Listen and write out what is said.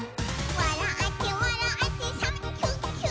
「わらってわらってサンキュキュ！」